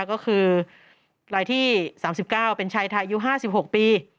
ก็คือรายที่๓๙เป็นชายไทยอายุ๕๖ปี